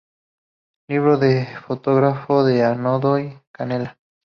Libro de fotografía de Andoni Canela.